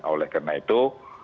oleh karena itu